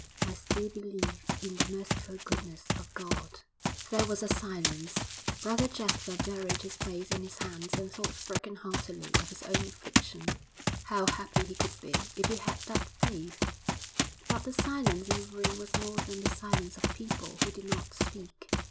'I still believe in the merciful goodness of God!' There was a silence. Brother Jasper buried his face in his hands and thought brokenheartedly of his own affliction. How happy he could be if he had that faith.... But the silence in the room was more than the silence of people who did not speak.